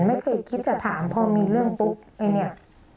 ไม่เคยคิดจะถามพอมีเรื่องปุ๊บไอ้เนี่ย